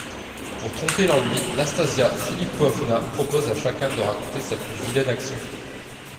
Pour tromper l'ennui, Nastassia Philippovna propose à chacun de raconter sa plus vilaine action.